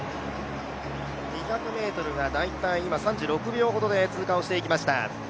２００ｍが大体３６秒ほどで通過をしていきました。